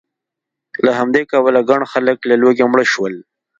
له همدې کبله ګڼ خلک له لوږې مړه شول